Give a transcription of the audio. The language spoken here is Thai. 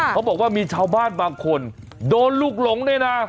เขาบอกว่ามีชาวบ้านบางคนโดนลูกหลงด้วยนะ